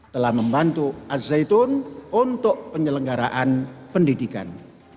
telah membantu al zaitun untuk penyelenggaraan pendidikan